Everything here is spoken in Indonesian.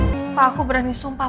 papa aku berani sumpah